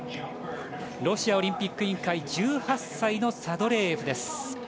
ロシアオリンピック委員会１８歳のサドレーエフです。